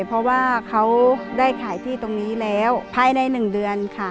เพราะว่าเขาได้ขายที่ตรงนี้แล้วภายใน๑เดือนค่ะ